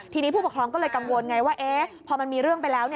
ทีนี้ผู้ปกครองก็เลยกังวลไงว่าพอมันมีเรื่องไปแล้ว